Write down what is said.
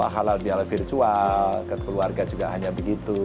halal virtual kekeluarga juga hanya begitu